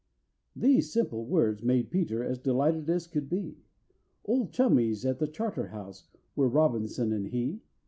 These simple words made PETER as delighted as could be, Old chummies at the Charterhouse were ROBINSON and he!